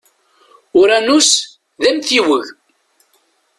Uranus d amtiweg.